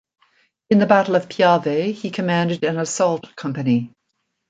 In the battle of Piave he commanded an assault company.